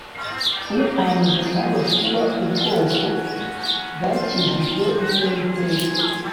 uhwanije nawe kuba ubwoko bwakijijwe n uwiteka